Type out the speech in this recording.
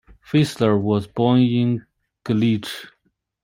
Fieseler was born in Glesch.